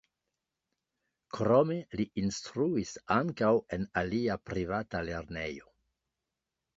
Krome li instruis ankaŭ en alia privata lernejo.